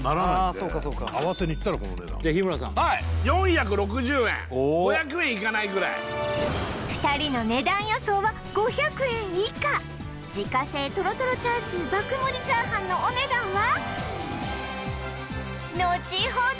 あそうかそうか合わせにいったらこの値段じゃあ日村さんはい４６０円５００円いかないぐらい２人の値段予想は５００円以下自家製トロトロチャーシュー爆盛り炒飯のお値段は？